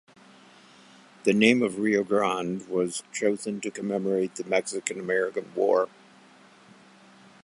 The name of Rio Grande was chosen to commemorate the Mexican-American War.